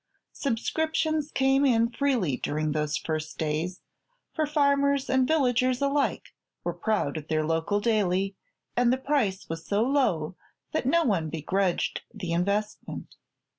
Subscriptions came in freely during those first days, for farmers and villagers alike were proud of their local daily and the price was so low that no one begrudged the investment.